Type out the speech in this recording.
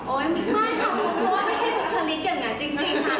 โอ้ยไม่ใช่ค่ะไม่ใช่สิทธิ์คลิกอย่างเนี่ยจริงค่ะ